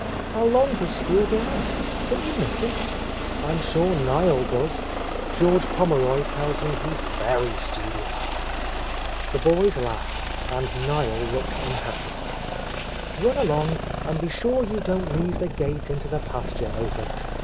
How long has school been out? Don't you miss it? I'm sure Niel does. Judge Pommeroy tells me he's very studious." The boys laughed, and Niel looked unhappy. "Run along, and be sure you don't leave the gate into the pasture open.